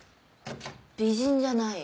美人じゃない。